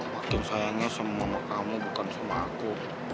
makin sayangnya semua kamu bukan sama aku